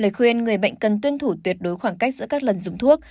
lời khuyên người bệnh cần tuân thủ tuyệt đối khoảng cách giữa các lần dùng thuốc